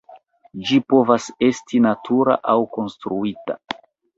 Ĝi povas esti natura aŭ konstruita.